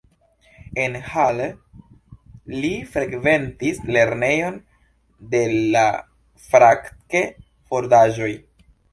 En Halle li frekventis lernejon de la Francke-fondaĵoj.